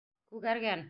Күгәргән.